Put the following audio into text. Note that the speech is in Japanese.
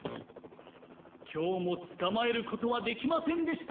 今日も捕まえることはできませんでした。